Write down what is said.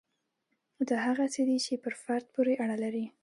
دا هغه څه دي چې پر فرد پورې اړه لري.